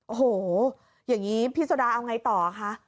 โอ้โหอย่างนี้พี่โซดาเอาไงต่อคะ